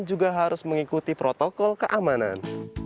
juga harus mengikuti protokol keamanan